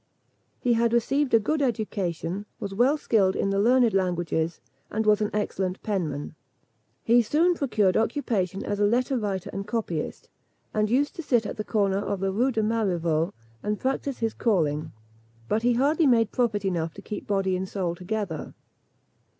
He had received a good education, was well skilled in the learned languages, and was an excellent penman. He soon procured occupation as a letter writer and copyist, and used to sit at the corner of the Rue de Marivaux, and practise his calling; but he hardly made profit enough to keep body and soul together.